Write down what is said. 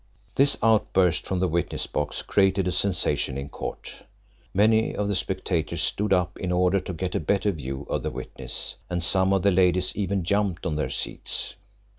This outburst from the witness box created a sensation in court. Many of the spectators stood up in order to get a better view of the witness, and some of the ladies even jumped on their seats.